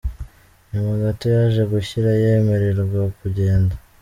Nyuma gato yaje gushyira yemererwa kugenda.